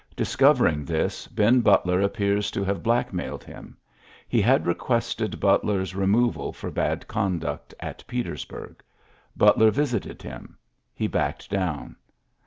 Discovering this, Ben Butler appears to have blackmailed him. He had requested Butler's re moval for bad conduct at Petersburg. Butler visited him. He backed down.